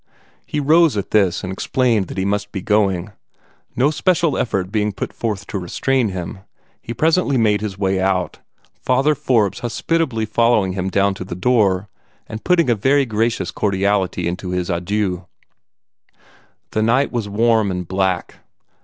He rose at this, and explained that he must be going. No special effort being put forth to restrain him, he presently made his way out, Father Forbes hospitably following him down to the door, and putting a very gracious cordiality into his adieux. The night was warm and black.